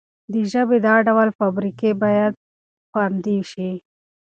د ژبې دا ډول باريکۍ بايد خوندي شي.